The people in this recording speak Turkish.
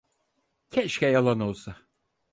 Keşke yalan olsa…